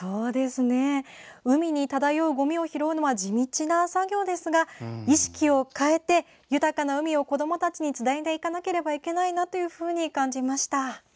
海に漂うごみを拾うのは地道な作業ですが、意識を変えて豊かな海を子供たちにつないでいかなければと感じました。